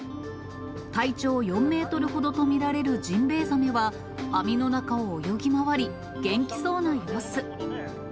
体長４メートルほどと見られるジンベエザメは網の中を泳ぎ回り、元気そうな様子。